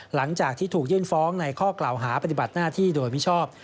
หลังจากที่ถูกยื่นฟ้องในข้อกล่าวหาปฏิบัติหน้าที่โดยมิชอบ